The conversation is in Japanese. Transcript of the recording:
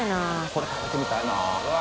これ食ってみたいな。